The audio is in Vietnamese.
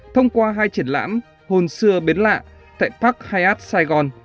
thông qua hai triển lãm hồn xưa bến lạ tại park hyatt sài gòn